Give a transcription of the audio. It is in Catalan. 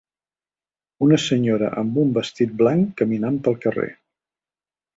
Una senyora amb un vestit blanc caminant pel carrer.